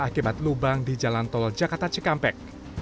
akibat lubang di jalan tol jakarta cikampek